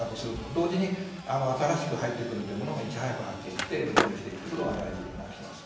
同時に新しく入ってくるというものもいち早く発見して防除していくということが大事になってきます。